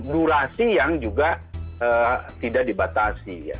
durasi yang juga tidak dibatasi ya